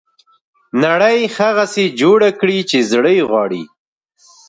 نړۍ هغسې جوړه کړي چې زړه یې غواړي.